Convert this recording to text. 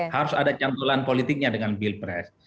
harus ada cantulan politiknya dengan bilpres